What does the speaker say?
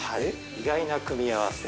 意外な組み合わせ。